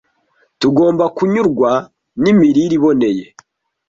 Tugomba kunyurwa n’imirire iboneye,